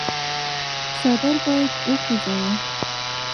څادر باد وخوځاوه.